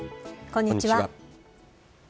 こんにちは。